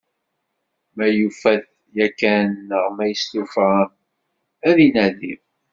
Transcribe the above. Ma yufa-t yakan neɣ ma yestufa ad t-inadi.